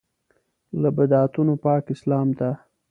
له بدعتونو پاک اسلام ته.